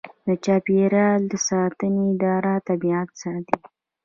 د چاپیریال ساتنې اداره طبیعت ساتي